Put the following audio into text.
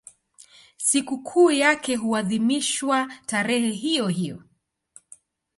Sikukuu yake huadhimishwa tarehe hiyohiyo.